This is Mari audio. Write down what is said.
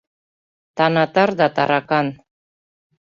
Танатар да таракан...